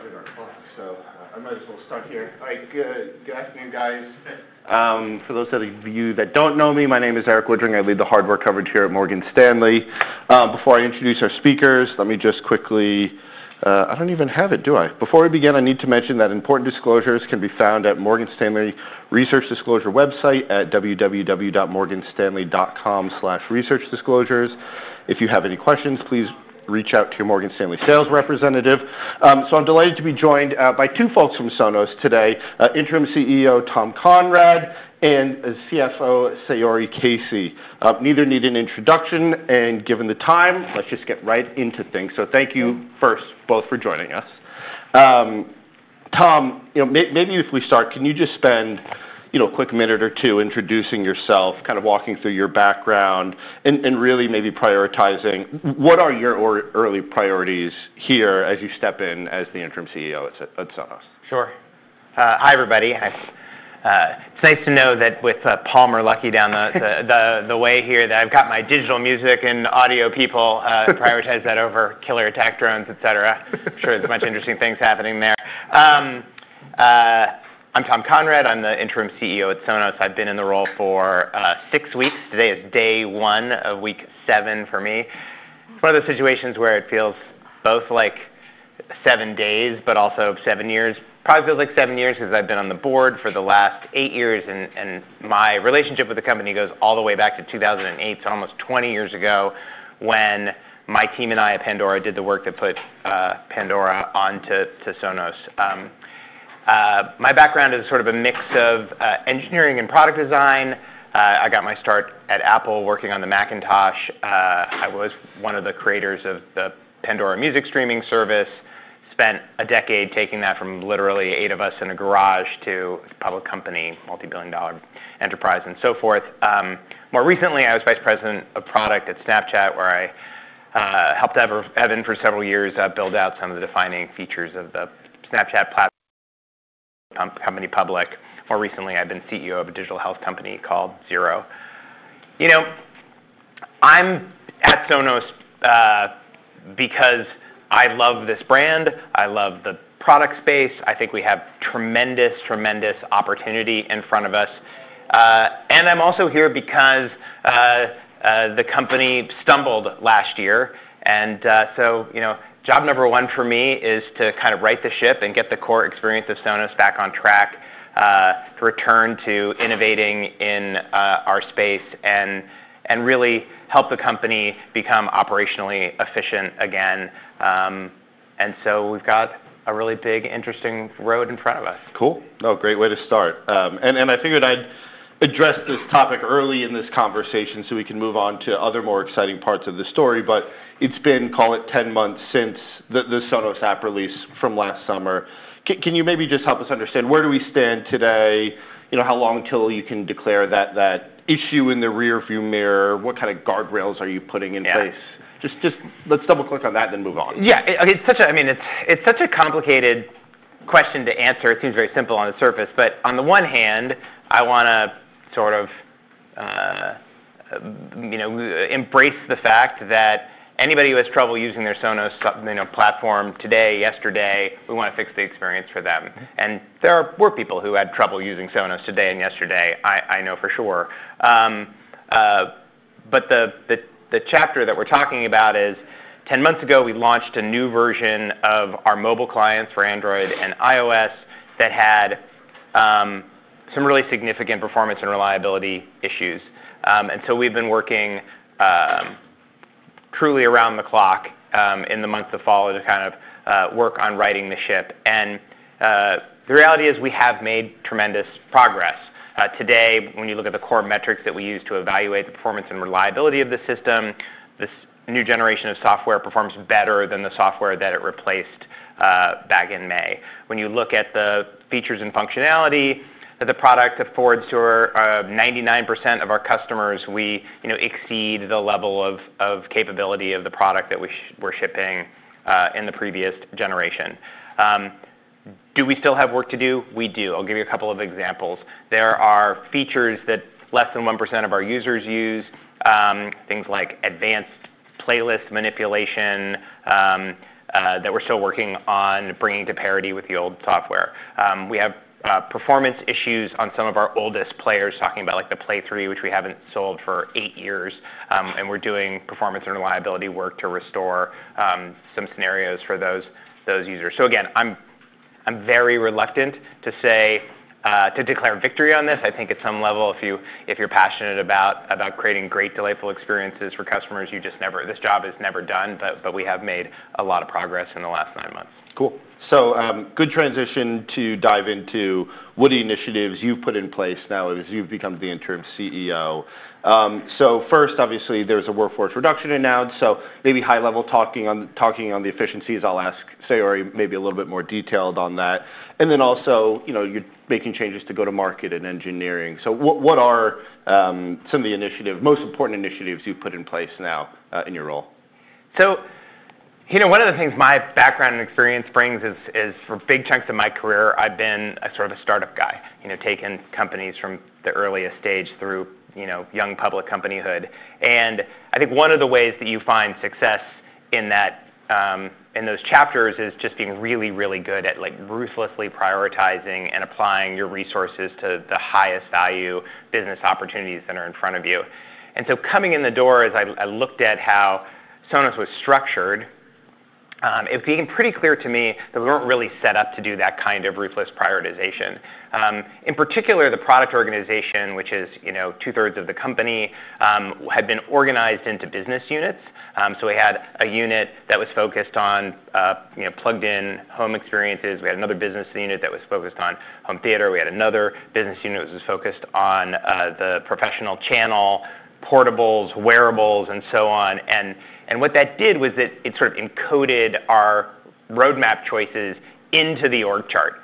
Started our clock, so I might as well start here. All right, good afternoon, guys. For those of you that don't know me, my name is Erik Woodring. I lead the hardware coverage here at Morgan Stanley. Before I introduce our speakers, let me just quickly—I don't even have it, do I? Before we begin, I need to mention that important disclosures can be found at Morgan Stanley Research Disclosure website at www.morganstanley.com/researchdisclosures. If you have any questions, please reach out to your Morgan Stanley sales representative. I'm delighted to be joined by two folks from Sonos today: Interim CEO Tom Conrad and CFO Saori Casey. Neither need an introduction. Given the time, let's just get right into things. Thank you first, both, for joining us. Tom, maybe if we start, can you just spend a quick minute or two introducing yourself, kind of walking through your background, and really maybe prioritizing what are your early priorities here as you step in as the Interim CEO at Sonos? Sure. Hi, everybody. It's nice to know that with Palmer Luckey down the way here, that I've got my digital music and audio people to prioritize that over killer attack drones, et cetera. I'm sure there's a bunch of interesting things happening there. I'm Tom Conrad. I'm the Interim CEO at Sonos. I've been in the role for six weeks. Today is day one of week seven for me. It's one of those situations where it feels both like seven days, but also seven years. Probably feels like seven years because I've been on the board for the last eight years. My relationship with the company goes all the way back to 2008, so almost 20 years ago, when my team and I at Pandora did the work that put Pandora onto Sonos. My background is sort of a mix of engineering and product design. I got my start at Apple working on the Macintosh. I was one of the creators of the Pandora music streaming service. Spent a decade taking that from literally eight of us in a garage to a public company, multi-billion dollar enterprise, and so forth. More recently, I was Vice President of Product at Snapchat, where I helped Evan for several years build out some of the defining features of the Snapchat platform, company public. More recently, I've been CEO of a digital health company called Zero. I'm at Sonos because I love this brand. I love the product space. I think we have tremendous, tremendous opportunity in front of us. I'm also here because the company stumbled last year. Job number one for me is to kind of right the ship and get the core experience of Sonos back on track, return to innovating in our space, and really help the company become operationally efficient again. We have a really big, interesting road in front of us. Cool. Oh, great way to start. I figured I'd address this topic early in this conversation so we can move on to other more exciting parts of the story. It's been, call it, 10 months since the Sonos app release from last summer. Can you maybe just help us understand where do we stand today? How long until you can declare that issue in the rearview mirror? What kind of guardrails are you putting in place? Just let's double-click on that and then move on. Yeah. I mean, it's such a complicated question to answer. It seems very simple on the surface. On the one hand, I want to sort of embrace the fact that anybody who has trouble using their Sonos platform today, yesterday, we want to fix the experience for them. There were people who had trouble using Sonos today and yesterday, I know for sure. The chapter that we're talking about is 10 months ago, we launched a new version of our mobile clients for Android and iOS that had some really significant performance and reliability issues. We have been working truly around the clock in the month of fall to kind of work on righting the ship. The reality is we have made tremendous progress. Today, when you look at the core metrics that we use to evaluate the performance and reliability of the system, this new generation of software performs better than the software that it replaced back in May. When you look at the features and functionality that the product affords to 99% of our customers, we exceed the level of capability of the product that we were shipping in the previous generation. Do we still have work to do? We do. I'll give you a couple of examples. There are features that less than 1% of our users use, things like advanced playlist manipulation that we're still working on bringing to parity with the old software. We have performance issues on some of our oldest players, talking about the Play 3, which we haven't sold for eight years. We are doing performance and reliability work to restore some scenarios for those users. I am very reluctant to declare victory on this. I think at some level, if you're passionate about creating great, delightful experiences for customers, this job is never done. But we have made a lot of progress in the last nine months. Cool. Good transition to dive into what initiatives you've put in place now as you've become the Interim CEO. First, obviously, there's a workforce reduction announced. Maybe high-level talking on the efficiencies, I'll ask Saori maybe a little bit more detailed on that. Also, you're making changes to go to market and engineering. What are some of the most important initiatives you've put in place now in your role? One of the things my background and experience brings is for big chunks of my career, I've been sort of a startup guy, taking companies from the earliest stage through young public companyhood. I think one of the ways that you find success in those chapters is just being really, really good at ruthlessly prioritizing and applying your resources to the highest value business opportunities that are in front of you. Coming in the door, as I looked at how Sonos was structured, it became pretty clear to me that we weren't really set up to do that kind of ruthless prioritization. In particular, the product organization, which is two-thirds of the company, had been organized into business units. We had a unit that was focused on plugged-in home experiences. We had another business unit that was focused on home theater. We had another business unit that was focused on the professional channel, portables, wearables, and so on. What that did was that it sort of encoded our roadmap choices into the org chart.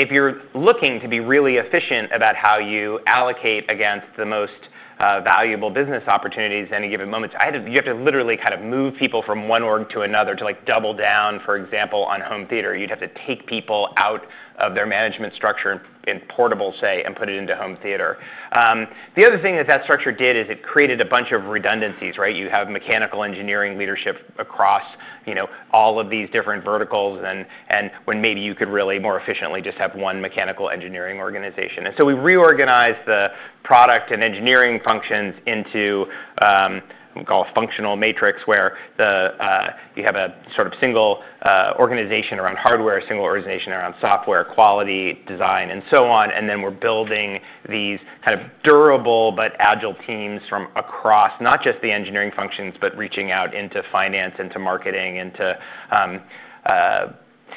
If you're looking to be really efficient about how you allocate against the most valuable business opportunities in any given moment, you have to literally kind of move people from one org to another to double down, for example, on home theater. You'd have to take people out of their management structure in portables, say, and put it into home theater. The other thing that that structure did is it created a bunch of redundancies. You have mechanical engineering leadership across all of these different verticals than when maybe you could really more efficiently just have one mechanical engineering organization. We reorganized the product and engineering functions into what we call a functional matrix, where you have a sort of single organization around hardware, a single organization around software, quality, design, and so on. We are building these kind of durable but agile teams from across not just the engineering functions, but reaching out into finance, into marketing, into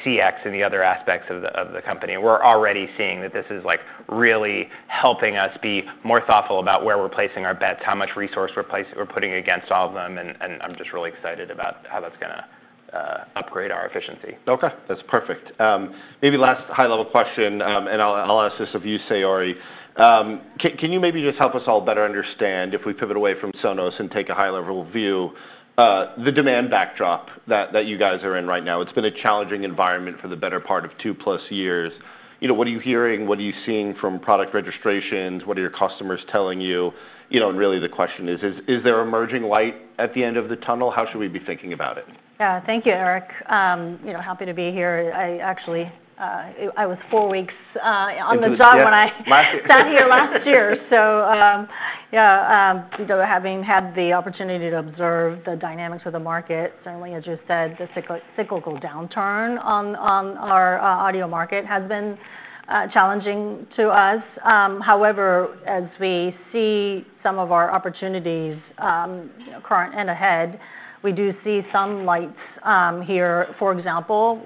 CX, and the other aspects of the company. We are already seeing that this is really helping us be more thoughtful about where we are placing our bets, how much resource we are putting against all of them. I am just really excited about how that is going to upgrade our efficiency. OK. That's perfect. Maybe last high-level question, and I'll ask this of you, Saori. Can you maybe just help us all better understand, if we pivot away from Sonos and take a high-level view, the demand backdrop that you guys are in right now? It's been a challenging environment for the better part of two-plus years. What are you hearing? What are you seeing from product registrations? What are your customers telling you? Really, the question is, is there a merging light at the end of the tunnel? How should we be thinking about it? Yeah. Thank you, Eric. Happy to be here. Actually, I was four weeks on the job when I sat here last year. Yeah, having had the opportunity to observe the dynamics of the market, certainly, as you said, the cyclical downturn on our audio market has been challenging to us. However, as we see some of our opportunities current and ahead, we do see some lights here. For example,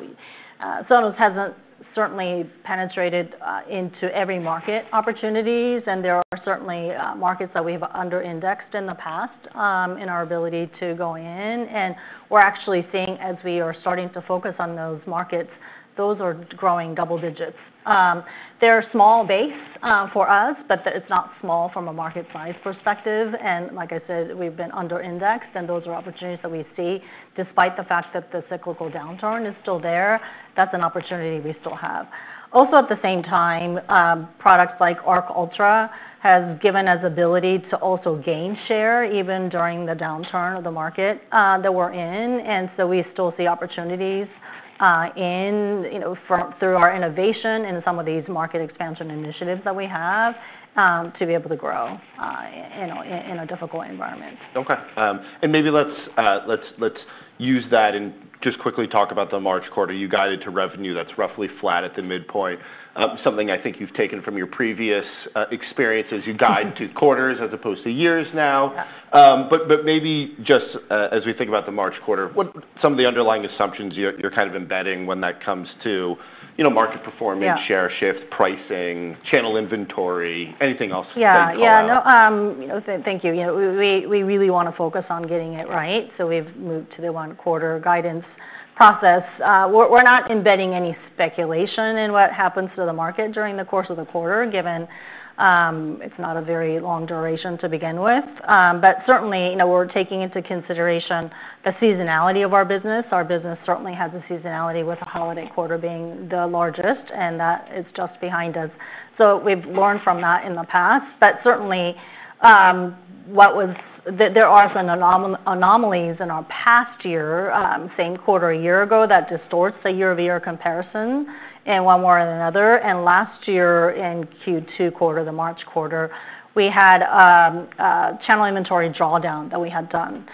Sonos hasn't certainly penetrated into every market opportunities. There are certainly markets that we have under-indexed in the past in our ability to go in. We're actually seeing, as we are starting to focus on those markets, those are growing double digits. They're a small base for us, but it's not small from a market size perspective. Like I said, we've been under-indexed. Those are opportunities that we see. Despite the fact that the cyclical downturn is still there, that's an opportunity we still have. Also, at the same time, products like Arc Ultra have given us the ability to also gain share even during the downturn of the market that we're in. We still see opportunities through our innovation and some of these market expansion initiatives that we have to be able to grow in a difficult environment. OK. Maybe let's use that and just quickly talk about the March quarter. You guided to revenue that's roughly flat at the midpoint, something I think you've taken from your previous experiences. You guide to quarters as opposed to years now. Maybe just as we think about the March quarter, what are some of the underlying assumptions you're kind of embedding when that comes to market performance, share shift, pricing, channel inventory, anything else? Yeah. Thank you. We really want to focus on getting it right. We have moved to the one-quarter guidance process. We are not embedding any speculation in what happens to the market during the course of the quarter, given it is not a very long duration to begin with. Certainly, we are taking into consideration the seasonality of our business. Our business certainly has a seasonality, with the holiday quarter being the largest, and that is just behind us. We have learned from that in the past. Certainly, there have been anomalies in our past year, same quarter a year ago, that distorts the year-over-year comparison in one way or another. Last year, in Q2 quarter, the March quarter, we had a channel inventory drawdown that we had done.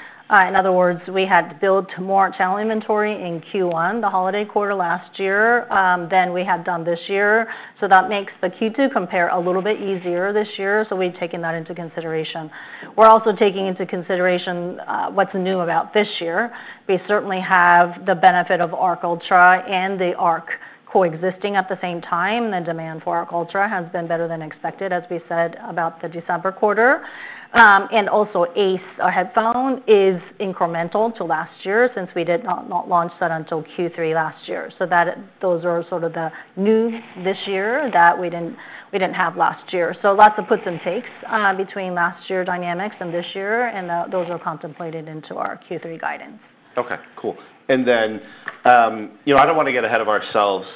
In other words, we had to build more channel inventory in Q1, the holiday quarter last year than we had done this year. That makes the Q2 compare a little bit easier this year. We have taken that into consideration. We are also taking into consideration what is new about this year. We certainly have the benefit of Arc Ultra and the Arc coexisting at the same time. The demand for Arc Ultra has been better than expected, as we said about the December quarter. Also, Ace, our headphone, is incremental to last year since we did not launch that until Q3 last year. Those are sort of the new this year that we did not have last year. There are lots of puts and takes between last year's dynamics and this year. Those are contemplated into our Q3 guidance. OK. Cool. I don't want to get ahead of ourselves,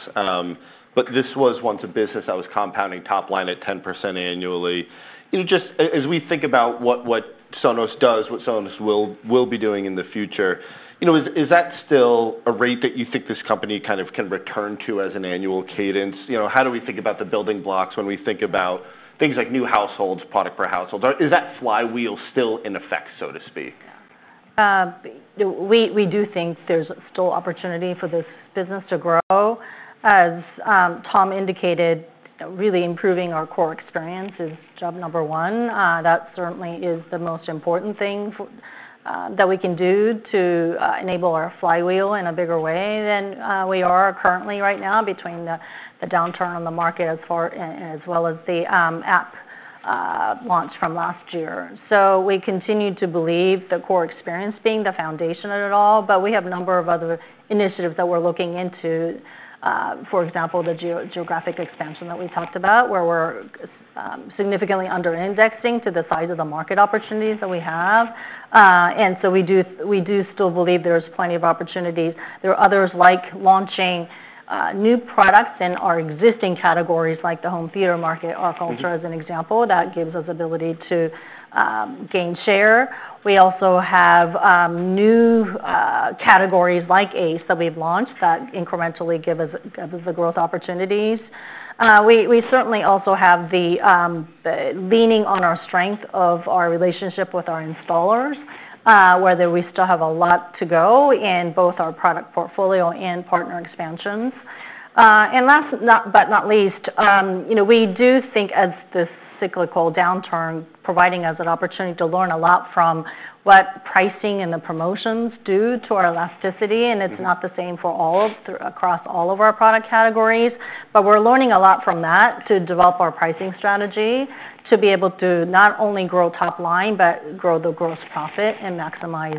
but this was once a business that was compounding top line at 10% annually. Just as we think about what Sonos does, what Sonos will be doing in the future, is that still a rate that you think this company kind of can return to as an annual cadence? How do we think about the building blocks when we think about things like new households, product per household? Is that flywheel still in effect, so to speak? We do think there's still opportunity for this business to grow. As Tom indicated, really improving our core experience is job number one. That certainly is the most important thing that we can do to enable our flywheel in a bigger way than we are currently right now between the downturn on the market as well as the app launch from last year. We continue to believe the core experience being the foundation of it all. We have a number of other initiatives that we're looking into. For example, the geographic expansion that we talked about, where we're significantly under-indexing to the size of the market opportunities that we have. We do still believe there's plenty of opportunities. There are others like launching new products in our existing categories, like the home theater market, Arc Ultra as an example. That gives us the ability to gain share. We also have new categories like Ace that we've launched that incrementally give us the growth opportunities. We certainly also have the leaning on our strength of our relationship with our installers, where we still have a lot to go in both our product portfolio and partner expansions. Last but not least, we do think this cyclical downturn is providing us an opportunity to learn a lot from what pricing and the promotions do to our elasticity. It's not the same across all of our product categories. We're learning a lot from that to develop our pricing strategy to be able to not only grow top line, but grow the gross profit and maximize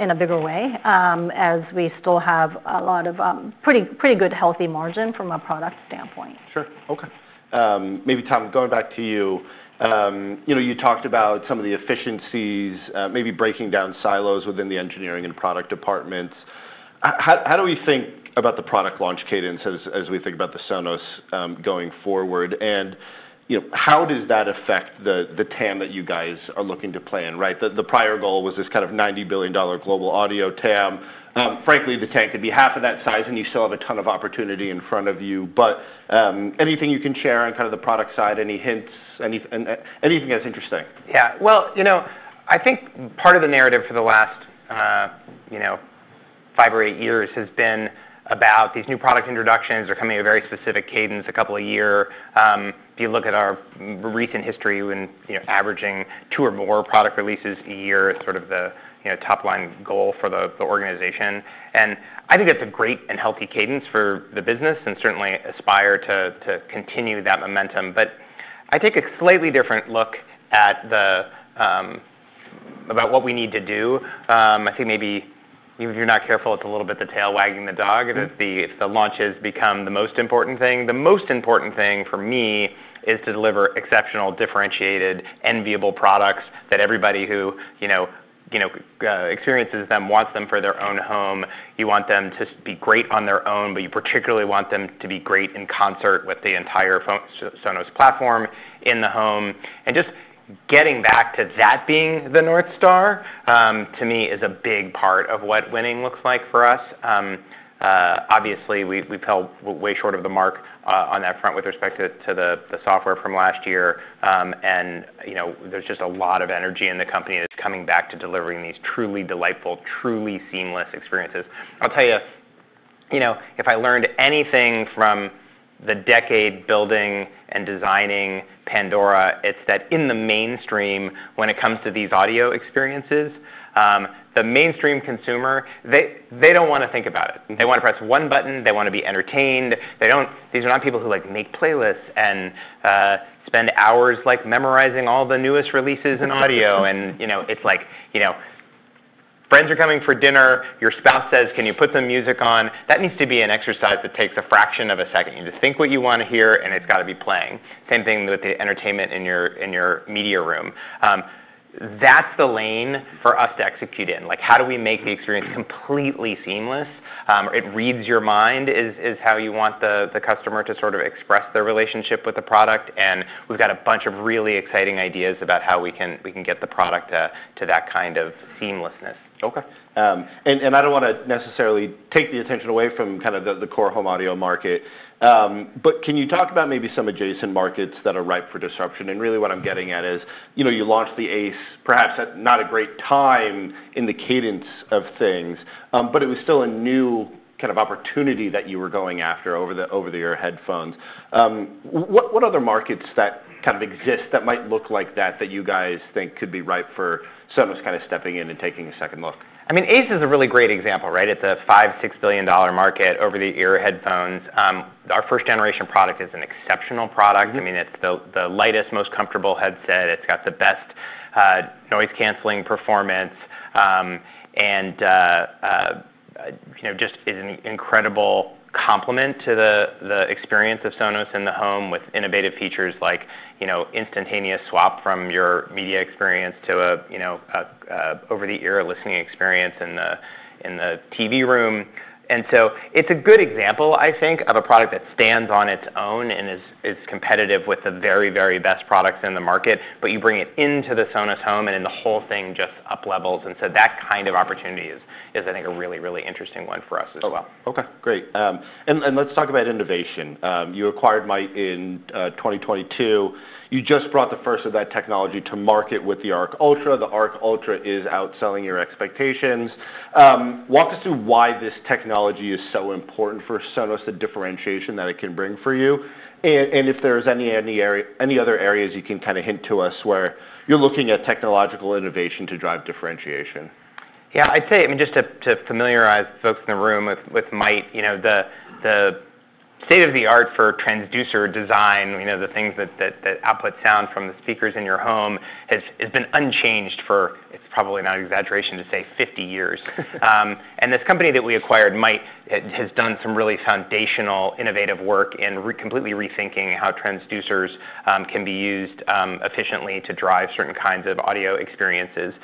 in a bigger way, as we still have a lot of pretty good, healthy margin from a product standpoint. Sure. OK. Maybe Tom, going back to you, you talked about some of the efficiencies, maybe breaking down silos within the engineering and product departments. How do we think about the product launch cadence as we think about the Sonos going forward? How does that affect the TAM that you guys are looking to plan? The prior goal was this kind of $90 billion global audio TAM. Frankly, the TAM could be half of that size, and you still have a ton of opportunity in front of you. Anything you can share on kind of the product side? Any hints? Anything that's interesting? Yeah. I think part of the narrative for the last five or eight years has been about these new product introductions are coming at a very specific cadence a couple of years. If you look at our recent history, we've been averaging two or more product releases a year, sort of the top-line goal for the organization. I think that's a great and healthy cadence for the business and certainly aspire to continue that momentum. I take a slightly different look about what we need to do. I think maybe if you're not careful, it's a little bit the tail wagging the dog. If the launches become the most important thing, the most important thing for me is to deliver exceptional, differentiated, enviable products that everybody who experiences them wants them for their own home. You want them to be great on their own, but you particularly want them to be great in concert with the entire Sonos platform in the home. Just getting back to that being the North Star, to me, is a big part of what winning looks like for us. Obviously, we fell way short of the mark on that front with respect to the software from last year. There is just a lot of energy in the company that is coming back to delivering these truly delightful, truly seamless experiences. I'll tell you, if I learned anything from the decade building and designing Pandora, it's that in the mainstream, when it comes to these audio experiences, the mainstream consumer, they do not want to think about it. They want to press one button. They want to be entertained. These are not people who make playlists and spend hours memorizing all the newest releases in audio. It's like friends are coming for dinner. Your spouse says, can you put some music on? That needs to be an exercise that takes a fraction of a second. You just think what you want to hear, and it's got to be playing. Same thing with the entertainment in your media room. That's the lane for us to execute in. How do we make the experience completely seamless? It reads your mind is how you want the customer to sort of express their relationship with the product. We've got a bunch of really exciting ideas about how we can get the product to that kind of seamlessness. OK. I do not want to necessarily take the attention away from kind of the core home audio market. Can you talk about maybe some adjacent markets that are ripe for disruption? Really, what I am getting at is you launched the Ace, perhaps not a great time in the cadence of things, but it was still a new kind of opportunity that you were going after over-the-ear headphones. What other markets that kind of exist that might look like that, that you guys think could be ripe for Sonos kind of stepping in and taking a second look? I mean, Ace is a really great example. It's a $5 billion-$6 billion market over-the-ear headphones. Our first-generation product is an exceptional product. I mean, it's the lightest, most comfortable headset. It's got the best noise-canceling performance and just is an incredible complement to the experience of Sonos in the home with innovative features like instantaneous swap from your media experience to an over-the-ear listening experience in the TV room. It is a good example, I think, of a product that stands on its own and is competitive with the very, very best products in the market. You bring it into the Sonos home, and then the whole thing just up levels. That kind of opportunity is, I think, a really, really interesting one for us as well. OK. Great. Let's talk about innovation. You acquired MIC in 2022. You just brought the first of that technology to market with the Arc Ultra. The Arc Ultra is outselling your expectations. Walk us through why this technology is so important for Sonos, the differentiation that it can bring for you, and if there are any other areas you can kind of hint to us where you're looking at technological innovation to drive differentiation. Yeah. I'd say, I mean, just to familiarize folks in the room with MIC, the state of the art for transducer design, the things that output sound from the speakers in your home, has been unchanged for, it's probably not an exaggeration to say, 50 years. This company that we acquired, MIC, has done some really foundational innovative work in completely rethinking how transducers can be used efficiently to drive certain kinds of audio experiences.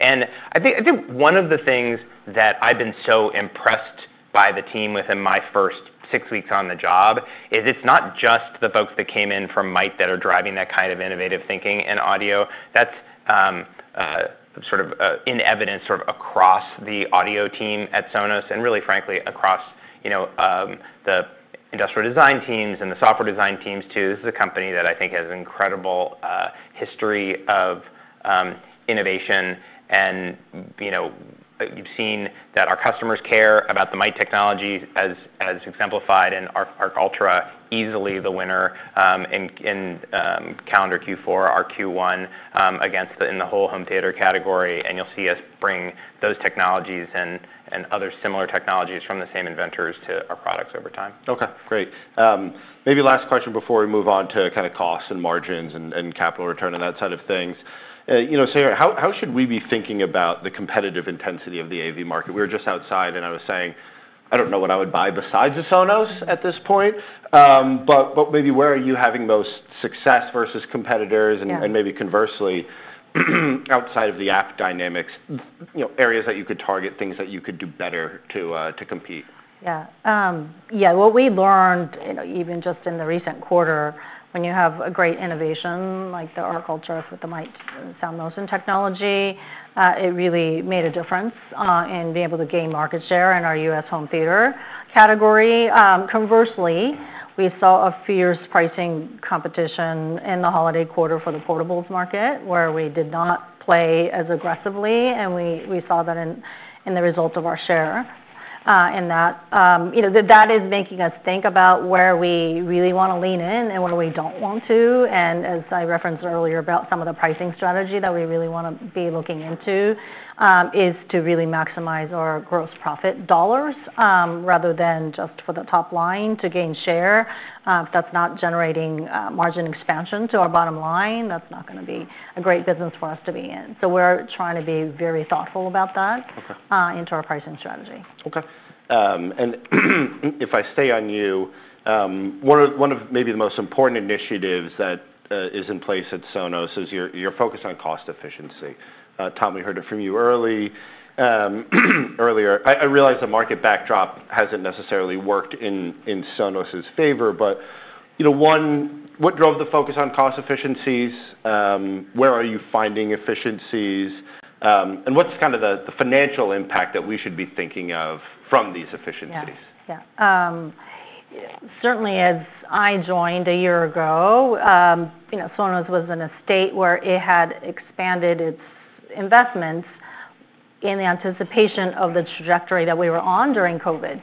I think one of the things that I've been so impressed by the team with in my first six weeks on the job is it's not just the folks that came in from MIC that are driving that kind of innovative thinking in audio. That's sort of in evidence sort of across the audio team at Sonos and really, frankly, across the industrial design teams and the software design teams, too. This is a company that I think has an incredible history of innovation. You have seen that our customers care about the MIC technology, as exemplified in Arc Ultra, easily the winner in calendar Q4, our Q1, in the whole home theater category. You will see us bring those technologies and other similar technologies from the same inventors to our products over time. OK. Great. Maybe last question before we move on to kind of costs and margins and capital return and that side of things. How should we be thinking about the competitive intensity of the AV market? We were just outside, and I was saying, I don't know what I would buy besides a Sonos at this point. Maybe where are you having most success versus competitors? Maybe conversely, outside of the app dynamics, areas that you could target, things that you could do better to compete? Yeah. Yeah. What we learned, even just in the recent quarter, when you have a great innovation like the Arc Ultra with the MIC sound motion technology, it really made a difference in being able to gain market share in our US home theater category. Conversely, we saw a fierce pricing competition in the holiday quarter for the portables market, where we did not play as aggressively. We saw that in the result of our share in that. That is making us think about where we really want to lean in and where we do not want to. As I referenced earlier about some of the pricing strategy that we really want to be looking into is to really maximize our gross profit dollars rather than just for the top line to gain share. If that's not generating margin expansion to our bottom line, that's not going to be a great business for us to be in. We are trying to be very thoughtful about that into our pricing strategy. OK. If I stay on you, one of maybe the most important initiatives that is in place at Sonos is your focus on cost efficiency. Tom, we heard it from you earlier. I realize the market backdrop hasn't necessarily worked in Sonos' favor. What drove the focus on cost efficiencies? Where are you finding efficiencies? What's kind of the financial impact that we should be thinking of from these efficiencies? Yeah. Certainly, as I joined a year ago, Sonos was in a state where it had expanded its investments in the anticipation of the trajectory that we were on during COVID.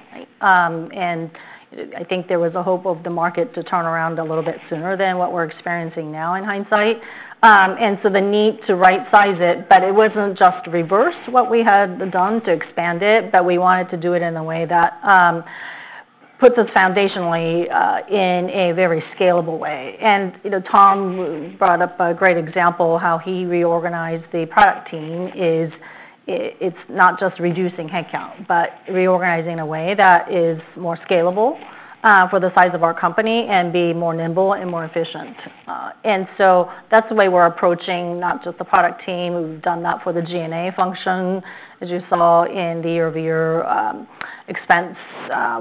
I think there was a hope of the market to turn around a little bit sooner than what we're experiencing now in hindsight. The need to right-size it, but it wasn't just reverse what we had done to expand it, but we wanted to do it in a way that puts us foundationally in a very scalable way. Tom brought up a great example of how he reorganized the product team. It's not just reducing headcount, but reorganizing in a way that is more scalable for the size of our company and be more nimble and more efficient. That's the way we're approaching not just the product team. We've done that for the G&A function, as you saw in the year-over-year expense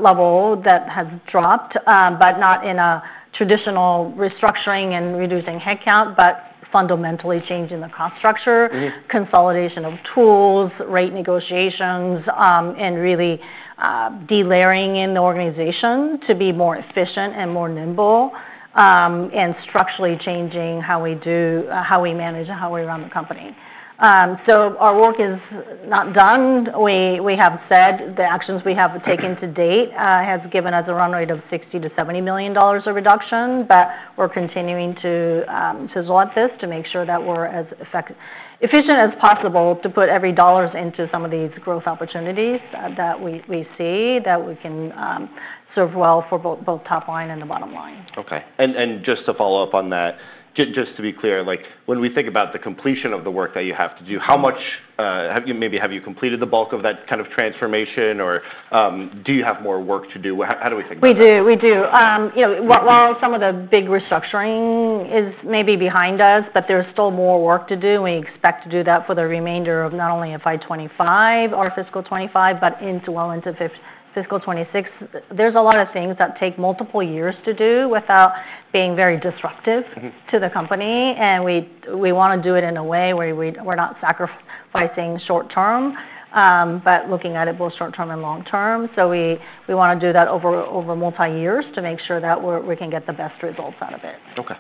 level that has dropped, not in a traditional restructuring and reducing headcount, but fundamentally changing the cost structure, consolidation of tools, rate negotiations, and really de-layering in the organization to be more efficient and more nimble and structurally changing how we manage and how we run the company. Our work is not done. We have said the actions we have taken to date have given us a run rate of $60 million-$70 million of reduction. We're continuing to exhaust this to make sure that we're as efficient as possible to put every dollar into some of these growth opportunities that we see that we can serve well for both top line and the bottom line. OK. Just to follow up on that, just to be clear, when we think about the completion of the work that you have to do, how much maybe have you completed the bulk of that kind of transformation? Or do you have more work to do? How do we think about that? We do. We do. While some of the big restructuring is maybe behind us, there's still more work to do, and we expect to do that for the remainder of not only fiscal 2025, but well into fiscal 2026. There are a lot of things that take multiple years to do without being very disruptive to the company. We want to do it in a way where we're not sacrificing short term, but looking at it both short term and long term. We want to do that over multiple years to make sure that we can get the best results out of it. OK.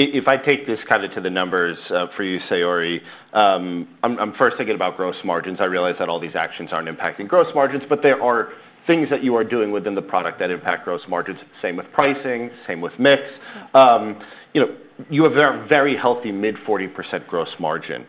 If I take this kind of to the numbers for you, Saori, I'm first thinking about gross margins. I realize that all these actions aren't impacting gross margins, but there are things that you are doing within the product that impact gross margins. Same with pricing, same with mix. You have a very healthy mid-40% gross margin.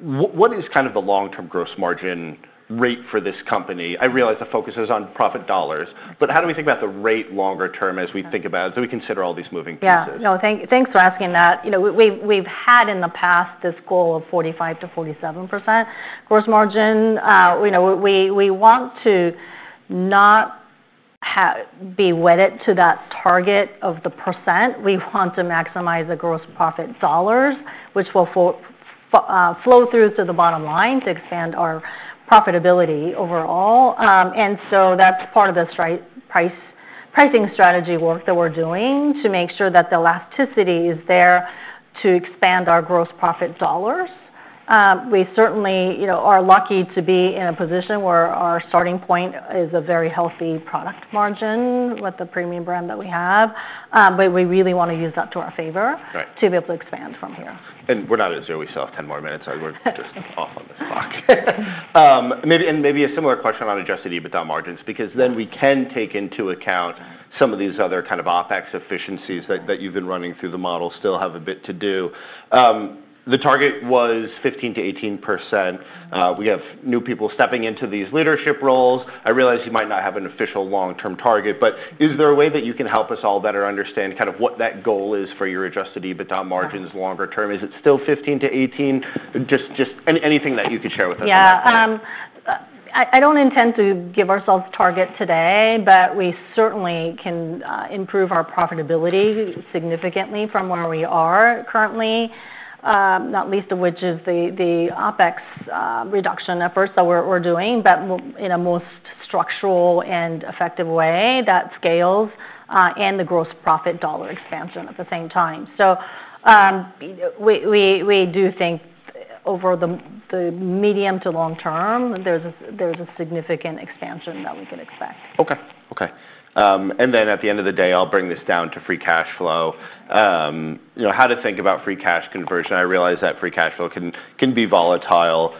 What is kind of the long-term gross margin rate for this company? I realize the focus is on profit dollars. How do we think about the rate longer term as we think about it? We consider all these moving pieces. Yeah. Thanks for asking that. We've had in the past this goal of 45%-47% gross margin. We want to not be wedded to that target of the %. We want to maximize the gross profit dollars, which will flow through to the bottom line to expand our profitability overall. That is part of this pricing strategy work that we're doing to make sure that the elasticity is there to expand our gross profit dollars. We certainly are lucky to be in a position where our starting point is a very healthy product margin with the premium brand that we have. We really want to use that to our favor to be able to expand from here. We're not at zero. We still have 10 more minutes. We're just off on this clock. Maybe a similar question on adjusted EBITDA margins, because then we can take into account some of these other kind of OpEx efficiencies that you've been running through the model still have a bit to do. The target was 15%-18%. We have new people stepping into these leadership roles. I realize you might not have an official long-term target. Is there a way that you can help us all better understand kind of what that goal is for your adjusted EBITDA margins longer term? Is it still 15%-18%? Just anything that you could share with us about that. Yeah. I don't intend to give ourselves a target today, but we certainly can improve our profitability significantly from where we are currently, not least of which is the OpEx reduction efforts that we're doing, but in a most structural and effective way that scales and the gross profit dollar expansion at the same time. We do think over the medium to long term, there's a significant expansion that we can expect. OK. OK. At the end of the day, I'll bring this down to free cash flow. How to think about free cash conversion? I realize that free cash flow can be volatile.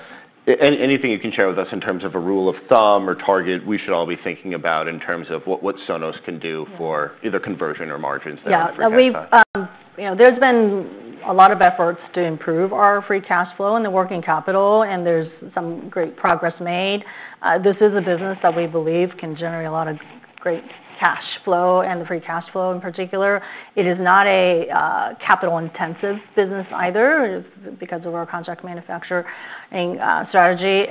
Anything you can share with us in terms of a rule of thumb or target we should all be thinking about in terms of what Sonos can do for either conversion or margins? Yeah. There's been a lot of efforts to improve our free cash flow and the working capital, and there's some great progress made. This is a business that we believe can generate a lot of great cash flow and the free cash flow in particular. It is not a capital-intensive business either because of our contract manufacturing strategy.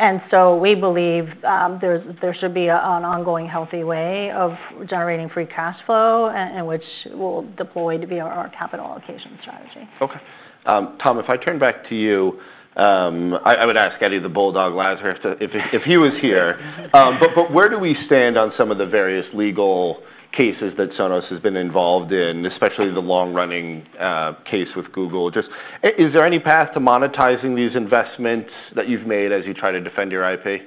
We believe there should be an ongoing healthy way of generating free cash flow in which we'll deploy to be our capital allocation strategy. OK. Tom, if I turn back to you, I would ask Eddie the Bulldog Lazarus if he was here. Where do we stand on some of the various legal cases that Sonos has been involved in, especially the long-running case with Google? Is there any path to monetizing these investments that you've made as you try to defend your IP?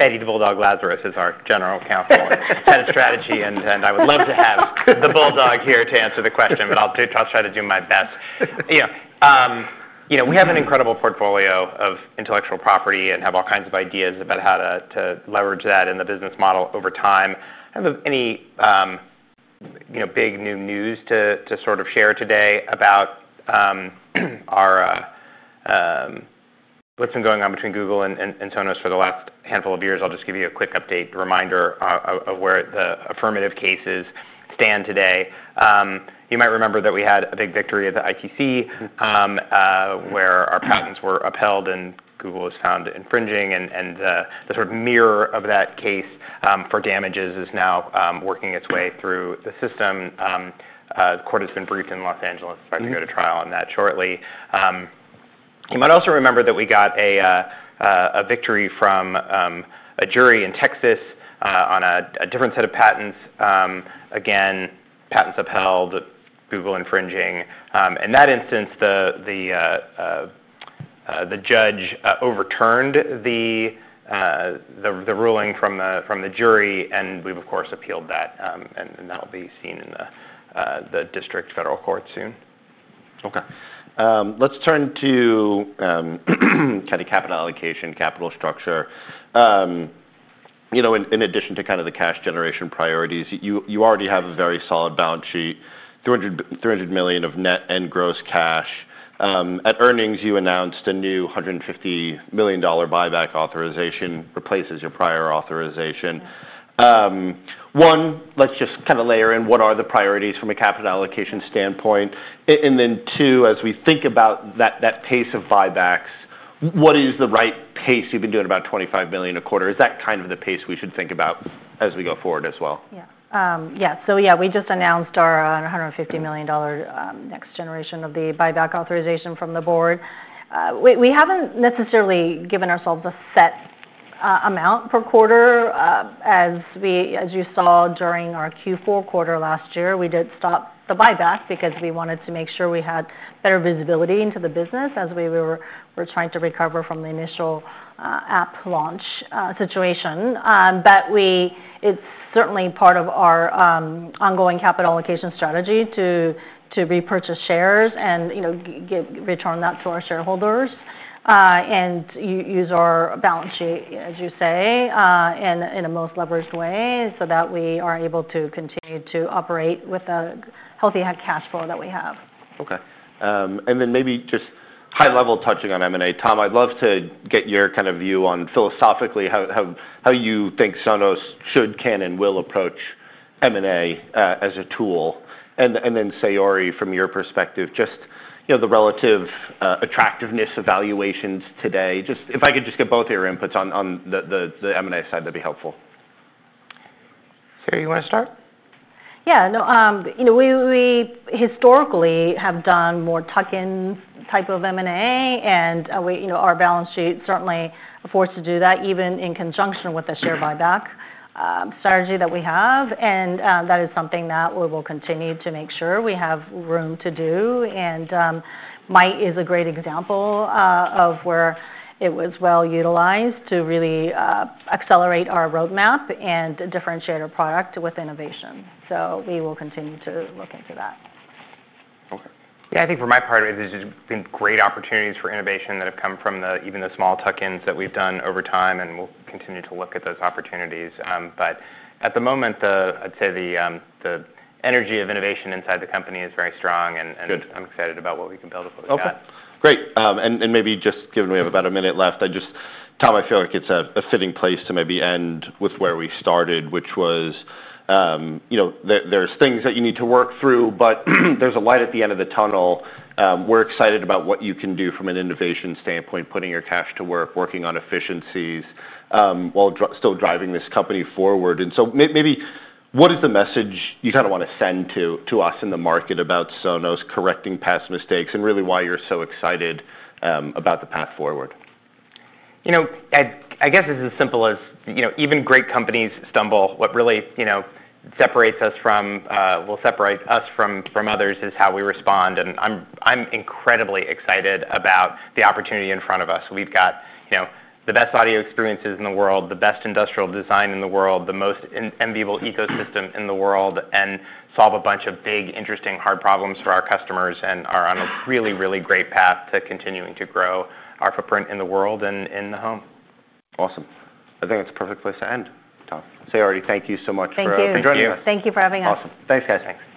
Eddie the Bulldog Lazarus is our General Counsel and strategy. I would love to have the Bulldog here to answer the question, but I'll try to do my best. We have an incredible portfolio of intellectual property and have all kinds of ideas about how to leverage that in the business model over time. Have any big new news to sort of share today about what's been going on between Google and Sonos for the last handful of years? I'll just give you a quick update reminder of where the affirmative cases stand today. You might remember that we had a big victory at the ITC where our patents were upheld and Google was found infringing. The sort of mirror of that case for damages is now working its way through the system. The court has been briefed in Los Angeles. I'm going to go to trial on that shortly. You might also remember that we got a victory from a jury in Texas on a different set of patents. Again, patents upheld, Google infringing. In that instance, the judge overturned the ruling from the jury. We've, of course, appealed that. That'll be seen in the district federal court soon. OK. Let's turn to kind of capital allocation, capital structure. In addition to kind of the cash generation priorities, you already have a very solid balance sheet, $300 million of net and gross cash. At earnings, you announced a new $150 million buyback authorization replaces your prior authorization. One, let's just kind of layer in what are the priorities from a capital allocation standpoint. And then two, as we think about that pace of buybacks, what is the right pace? You've been doing about $25 million a quarter. Is that kind of the pace we should think about as we go forward as well? Yeah. Yeah. Yeah, we just announced our $150 million next generation of the buyback authorization from the board. We have not necessarily given ourselves a set amount per quarter. As you saw during our Q4 quarter last year, we did stop the buyback because we wanted to make sure we had better visibility into the business as we were trying to recover from the initial app launch situation. It is certainly part of our ongoing capital allocation strategy to repurchase shares and return that to our shareholders and use our balance sheet, as you say, in a most leveraged way so that we are able to continue to operate with a healthy cash flow that we have. OK. Maybe just high-level touching on M&A. Tom, I'd love to get your kind of view on philosophically how you think Sonos should, can, and will approach M&A as a tool. Sayori, from your perspective, just the relative attractiveness evaluations today. If I could just get both of your inputs on the M&A side, that'd be helpful. Saori, you want to start? Yeah. We historically have done more tuck-in type of M&A. Our balance sheet certainly affords to do that even in conjunction with the share buyback strategy that we have. That is something that we will continue to make sure we have room to do. MIC is a great example of where it was well utilized to really accelerate our roadmap and differentiate our product with innovation. We will continue to look into that. Yeah. I think for my part, there's been great opportunities for innovation that have come from even the small tuck-ins that we've done over time. We'll continue to look at those opportunities. At the moment, I'd say the energy of innovation inside the company is very strong. I'm excited about what we can build with it. OK. Great. Maybe just given we have about a minute left, I just, Tom, I feel like it's a fitting place to maybe end with where we started, which was there's things that you need to work through, but there's a light at the end of the tunnel. We're excited about what you can do from an innovation standpoint, putting your cash to work, working on efficiencies while still driving this company forward. Maybe what is the message you kind of want to send to us in the market about Sonos correcting past mistakes and really why you're so excited about the path forward? I guess it's as simple as even great companies stumble. What really separates us from will separate us from others is how we respond. I'm incredibly excited about the opportunity in front of us. We've got the best audio experiences in the world, the best industrial design in the world, the most enviable ecosystem in the world, and solve a bunch of big, interesting, hard problems for our customers. We are on a really, really great path to continuing to grow our footprint in the world and in the home. Awesome. I think that's a perfect place to end, Tom. Saori, thank you so much for joining us. Thank you. Thank you for having us. Awesome. Thanks, guys.